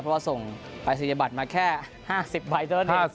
เพราะว่าส่งภัยศีรบัตรมาแค่๕๐ใบเท่านั้น